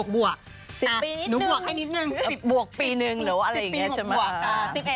บวกหนูบวกให้นิดนึง๑๐ปีนึงหรืออะไรอย่างนี้